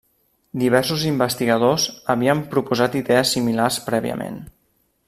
Diversos investigadors havien proposat idees similars prèviament.